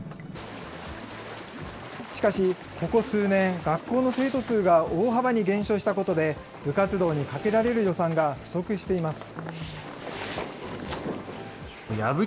しかし、ここ数年、学校の生徒数が大幅に減少したことで、部活動にかけられる予算が不足しています。